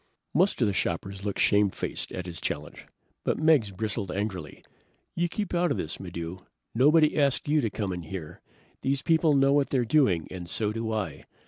Most of the shoppers looked shamefaced, at his challenge, but Meggs bristled angrily. "You keep out of this, Maddox! Nobody asked you to come in here! These people know what they're doing, and so do I.